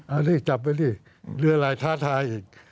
เอาด้วยจับไว้ดิเดี๋ยวอะไรท้าทายอีก